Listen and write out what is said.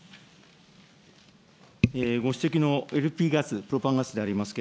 ご指摘のＬＰガス、プロパンガスであります